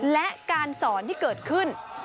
และการสอนที่เกิดขึ้น